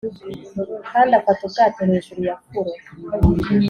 kandi afata ubwato hejuru ya furo